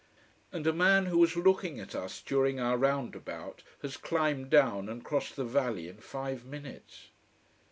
And a man who was looking at us doing our round about has climbed down and crossed the valley in five minutes.